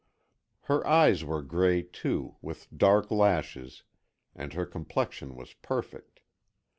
Her eyes were gray, too, with dark lashes, and her complexion was perfect.